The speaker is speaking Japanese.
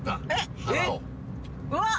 うわ！えっ？